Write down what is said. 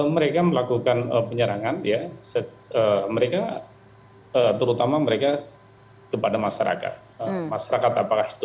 mereka melakukan penyerangan terutama mereka kepada masyarakat